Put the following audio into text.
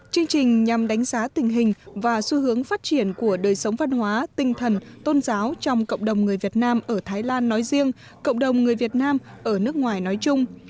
chương trình nhằm đánh giá tình hình và xu hướng phát triển của đời sống văn hóa tinh thần tôn giáo trong cộng đồng người việt nam ở thái lan nói riêng cộng đồng người việt nam ở nước ngoài nói chung